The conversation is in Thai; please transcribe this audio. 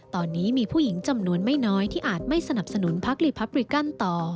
ตอนนี้มีผู้หญิงจำนวนไม่น้อยที่อาจไม่สนับสนุนพักลีพับริกันต่อ